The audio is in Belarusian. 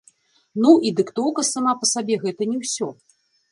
Ну, і дыктоўка сама па сабе гэта не ўсё.